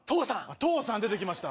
父さん、出てきました。